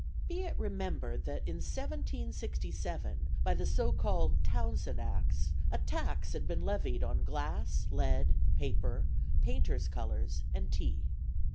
Be it remembered that, in 1767, by the so called Townshend Acts, a tax had been levied on glass, lead, paper, painters' colors, and tea.